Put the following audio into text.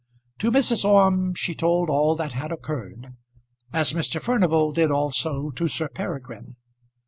To Mrs. Orme she told all that had occurred, as Mr. Furnival did also to Sir Peregrine.